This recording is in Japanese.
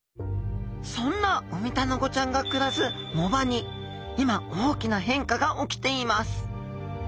そんなウミタナゴちゃんが暮らす藻場に今大きな変化が起きています。